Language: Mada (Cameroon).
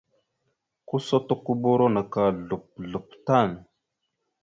Tusotokoboro naka slop slop tan.